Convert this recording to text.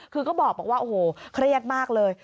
คือก็บอกว่าโอ้โหเครียดมากเลย